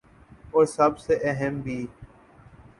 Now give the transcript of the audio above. اور سب سے اہم بھی ۔